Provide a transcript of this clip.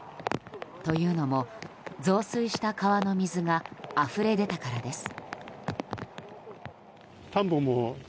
というのも、増水した川の水があふれ出たからです。